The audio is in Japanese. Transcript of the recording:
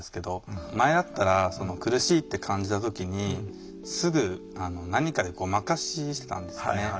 前だったら苦しいって感じた時にすぐ何かでごまかししてたんですよね。